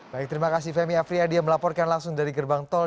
baik terima kasih femi afriyadi yang melaporkan langsung dari gerbang tol